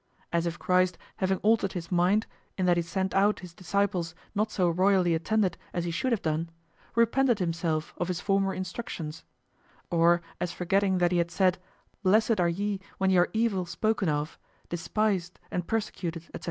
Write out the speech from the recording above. As if Christ having altered his mind, in that he sent out his disciples not so royally attended as he should have done, repented himself of his former instructions: or as forgetting that he had said, "Blessed are ye when ye are evil spoken of, despised, and persecuted, etc.